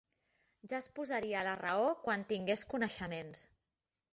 Ja es posaria a la raó quan tingués coneixements.